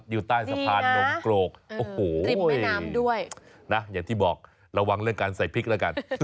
อยู่ใต้สะพานนมโกรกโอ้โหอย่างที่บอกระวังเรื่องการใส่พริกละกัน